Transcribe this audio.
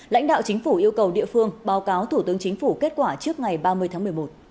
lãnh đạo chính phủ yêu cầu địa phương báo cáo thủ tướng chính phủ kết quả trước ngày ba mươi tháng một mươi một